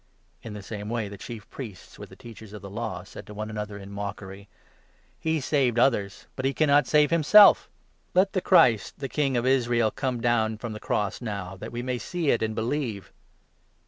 " 30 In the same way the Chief Priests, with the Teachers of the 31 Law, said to one another in mockery : "He saved others, but he cannot save himself! Let the 32 Christ, the 'King of Israel,' come down from the cross now, that we may see it and believe."